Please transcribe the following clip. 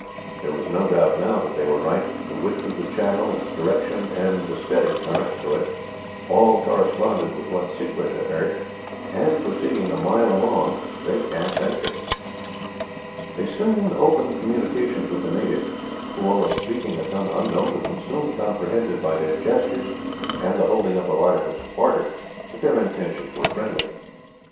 There was no doubt now that they were right. The width of the channel, its direction, and the steady current through it, all corresponded with what Siegbert had heard, and proceeding a mile along it they cast anchor. They soon opened communications with the natives, who, although speaking a tongue unknown to them, soon comprehended by their gestures and the holding up of articles of barter that their intentions were friendly.